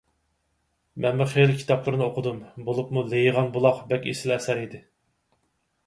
مەنمۇ خېلى كىتابلىرىنى ئوقۇدۇم، بولۇپمۇ «لېيىغان بۇلاق» بەك ئېسىل ئەسەر ئىدى.